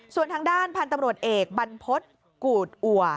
ส่วนทางด้านพลตำรวจเอกบันพฤษกูดอัว